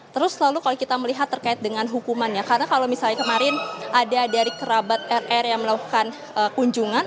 terus selalu kalau kita melihat terkait dengan hukumannya karena kalau misalnya kemarin ada dari kerabat rr yang melakukan kunjungan